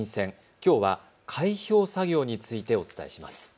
きょうは開票作業についてお伝えします。